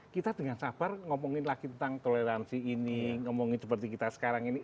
kita dengan sabar ngomongin lagi tentang toleransi ini ngomongin seperti kita sekarang ini